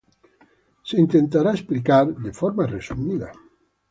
Se intentara explicar de forma resumida.